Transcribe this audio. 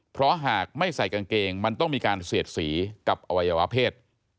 เพราะหากไม่ใส่กางเกงมันต้องมีการเสียดสีกับอวัยวะเพศ